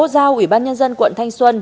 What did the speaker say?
giao ủy ban nhân dân quận thanh xuân